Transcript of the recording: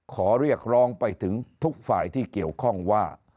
ขอเรียกร้องไปถึงทุกฝ่ายที่เกี่ยวข้องว่า